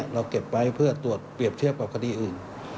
เก็บไว้เพื่อตรวจเปรียบเทียบกับคดีอื่น